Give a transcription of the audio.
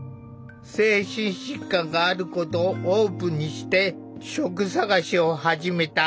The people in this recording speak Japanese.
精神疾患があることをオープンにして職探しを始めた。